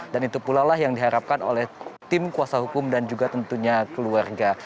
dan itu pula lah yang diharapkan oleh tim kuasa hukum dan juga tentunya keluarga